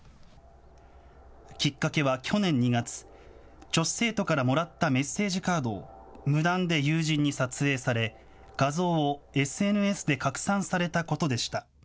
きっかけは去年２月、女子生徒からもらったメッセージカードを無断で友人に撮影され、画像をＳＮＳで拡散されたことでした。